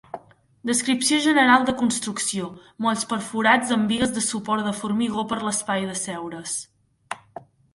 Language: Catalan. Descripció general de construcció: molls perforats amb bigues de suport de formigó per l'espai d'asseure's.